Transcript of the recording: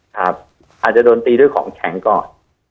อาจจะโดนตีด้วยของแข็งก่อน